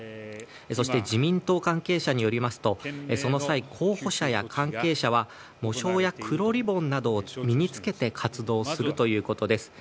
そして自民党関係者によりますとその際、候補者や関係者は喪章や黒リボンなどを身に着けて活動するということです。